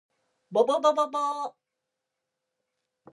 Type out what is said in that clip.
ぼぼぼぼぼお